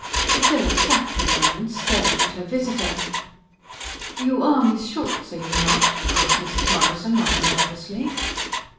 Priscilla sat for a moment staring at her visitor. "You are Miss Schultz, are you not?" asked Mrs. Morrison rather nervously.